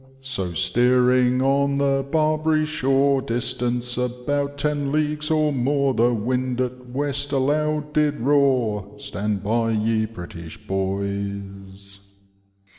80 steering on the Barbary shore. Distance about ten leagues or more. The wind at west aloud did roar, Stand by, ye British boys